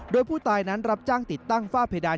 โดยผู้ตายนั้นรับจ้างติดตั้งฝ้าเพดาน